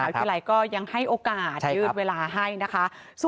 วิทยาลัยก็ยังให้โอกาสยืดเวลาให้นะคะ